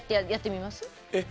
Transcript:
えっ？